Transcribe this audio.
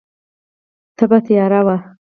تپه تیاره وه.